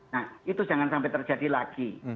nah itu jangan sampai terjadi lagi